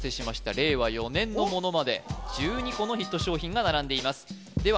令和４年のものまで１２個のヒット商品が並んでいますでは